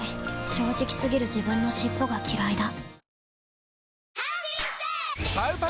正直過ぎる自分の尻尾がきらいだ